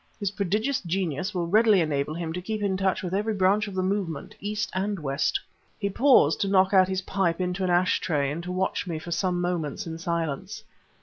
His prodigious genius will readily enable him to keep in touch with every branch of the movement, East and West." He paused to knock out his pipe into an ashtray and to watch me for some moments in silence.